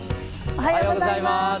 おはようございます。